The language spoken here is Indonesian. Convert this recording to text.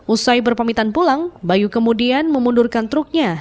usai berpamitan pulang bayu kemudian memundurkan truknya